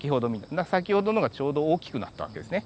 だから先ほどのがちょうど大きくなった訳ですね。